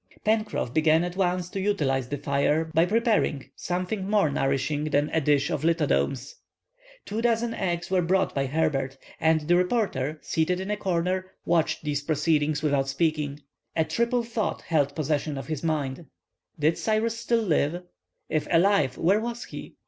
Pencroff began at once to utilize the fire by preparing something more nourishing than a dish of lithodomes. Two dozen eggs were brought by Herbert, and the reporter, seated in a corner, watched these proceedings without speaking. A triple thought held possession of his mind. Did Cyrus still live? If alive, where was he?